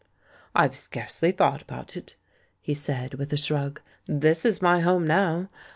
"I've scarcely thought about it," he said, with a shrug; "this is my home now.